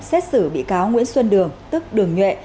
xét xử bị cáo nguyễn xuân đường tức đường nhuệ